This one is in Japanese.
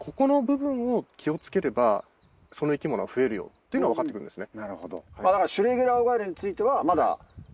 っていうのが分かってくるんですね。